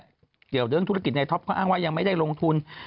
เกี่ยวเรื่องธุรกิจในท็อปก็อ้างว่ายังไม่ได้ลงทุน